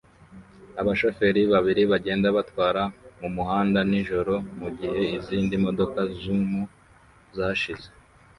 Abashoferi babiri bagenda batwara mumuhanda nijoro mugihe izindi modoka zoom zashize